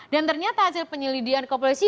dan ternyata hasil penyelidikan kopulasi